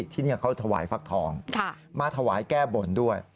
ที่นี่เขาถวายฟักทองมาถวายแก้บนด้วย